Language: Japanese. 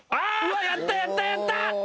やったやったやった。